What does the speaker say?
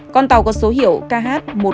con tàu có số hiệu kh một nghìn bốn mươi một